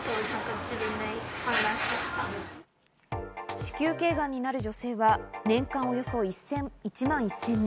子宮頸がんになる女性は年間およそ１万１０００人。